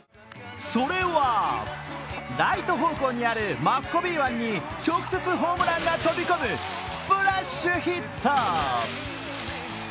それは、ライト方向にあるマッコビー湾に直接ホームランが飛び込むスプラッシュヒット。